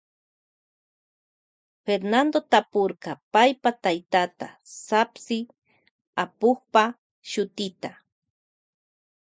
Fernando tapurka paypa taytata sapsi apukpa shutita.